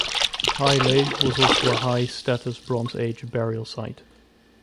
High Legh was also a high-status Bronze Age burial site.